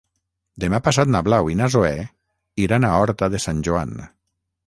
Demà passat na Blau i na Zoè iran a Horta de Sant Joan.